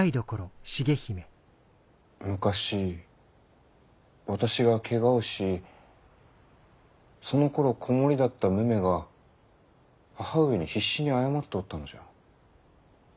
昔私がけがをしそのころ子守だった武女が母上に必死に謝っておったのじゃ。